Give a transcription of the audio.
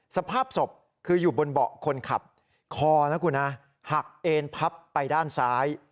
สภาพศพคืออยู่บนเบาะคนขับคอนะคุณฮะหักเอ็นพับไปด้านซ้าย